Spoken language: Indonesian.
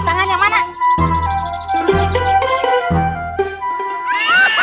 suatu hari pernah ada